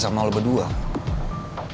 soalnya kalo kalian berdua tau masalah ini